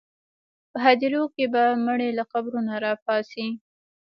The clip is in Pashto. په هدیرو کې به مړي له قبرونو راپاڅي.